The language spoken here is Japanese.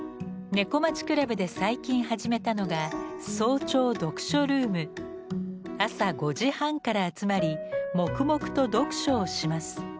「猫町倶楽部」で最近始めたのが朝５時半から集まり黙々と読書をします。